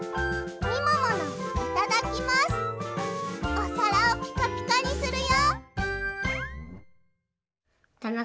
おさらをピカピカにするよ！